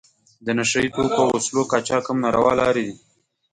د نشه یي توکو او وسلو قاچاق هم ناروا لارې دي.